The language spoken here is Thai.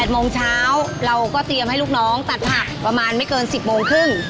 โมงเช้าเราก็เตรียมให้ลูกน้องตัดผักประมาณไม่เกิน๑๐โมงครึ่ง